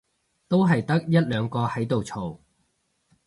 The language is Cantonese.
都係得一兩個喺度嘈